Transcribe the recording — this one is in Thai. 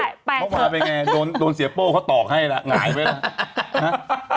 ไปเพราะว่าเป็นไงโดนเสียโป้เขาตอบให้แล้วหายไหม